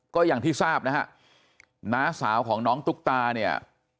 ก็อย่างที่ทราบนะฮะน้าสาวของน้องตุ๊กตาเนี่ย